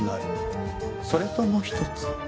それともう一つ。